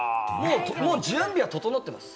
準備は整ってます。